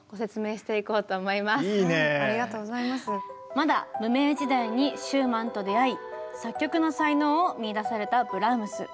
まだ無名時代にシューマンと出会い作曲の才能を見いだされたブラームス。